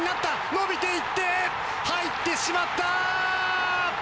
伸びていって、入ってしまった！